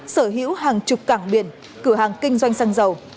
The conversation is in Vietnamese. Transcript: sở hữu hàng chục cảng biển cửa hàng kinh doanh xăng dầu